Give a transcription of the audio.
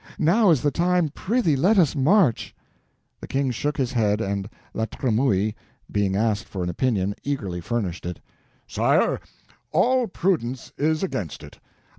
Now is the time—pritheee let us march!" The King shook his head, and La Tremouille, being asked for an opinion, eagerly furnished it: "Sire, all prudence is against it.